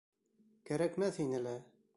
Кәрәкмәҫ ине лә.